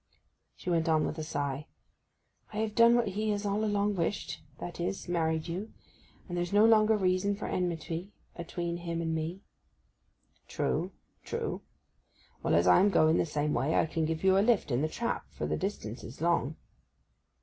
She went on with a sigh, 'I have done what he has all along wished, that is, married you; and there's no longer reason for enmity atween him and me.' 'Trew—trew. Well, as I am going the same way, I can give you a lift in the trap, for the distance is long.